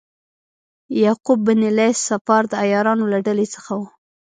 یعقوب بن لیث صفار د عیارانو له ډلې څخه و.